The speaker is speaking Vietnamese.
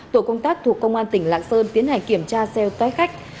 tổ công tác thuộc công an tỉnh lạng sơn tiến hành kiểm tra xeo tái khách